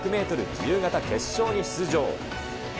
自由形決勝に出場。